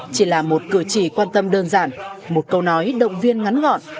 chỉ là một cử chỉ quan tâm đơn giản một câu nói động viên ngắn gọn